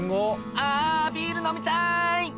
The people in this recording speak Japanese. あビール飲みたい！